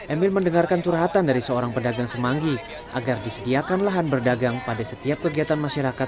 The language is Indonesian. emil mendengarkan curhatan dari seorang pedagang semanggi agar disediakan lahan berdagang pada setiap kegiatan masyarakat